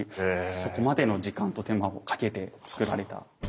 そこまでの時間と手間をかけてつくられた。